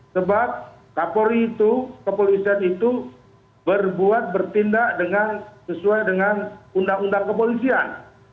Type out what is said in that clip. sebab kapolri itu kepolisian itu berbuat bertindak sesuai dengan undang undang kepolisian